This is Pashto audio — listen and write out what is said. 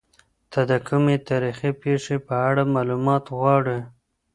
ته د کومې تاريخي پېښې په اړه معلومات غواړې؟